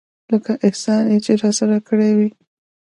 لکه احسان چې يې راسره کړى وي.